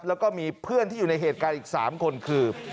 แล้วก็มีเพื่อนที่อยู่ในเหตุการณ์อีก๓คนคือ